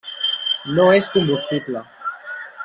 No és combustible.